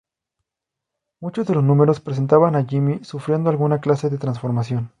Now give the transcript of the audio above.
Muchos de los números presentaban a Jimmy sufriendo alguna clase de transformación.